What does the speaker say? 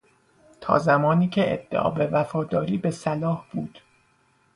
تا زمانی که ادعا به وفاداری به صلاح بود